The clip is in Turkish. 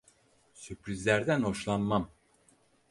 Sürprizlerden hoşlanmam.